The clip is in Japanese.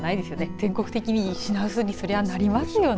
全国的に品薄にそりゃなりますよね。